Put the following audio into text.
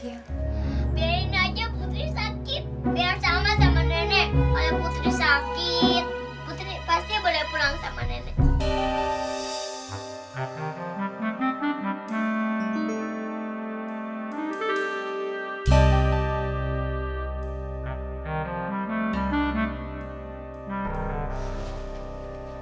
biarin aja putri sakit biar sama sama nenek ayo putri sakit